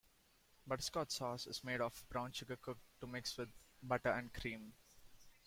Butterscotch sauce is made of brown sugar cooked to mixed with butter and cream.